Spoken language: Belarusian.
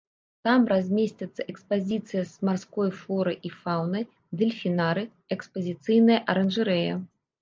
Там размясціцца экспазіцыя з марской флорай і фаунай, дэльфінарый, экспазіцыйная аранжарэя.